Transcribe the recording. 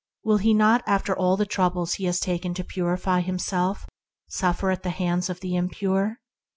Will he not, after all the trouble he has taken to purify himself, suffer at the hands of the impure